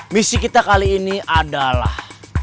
misi kita kali ini adalah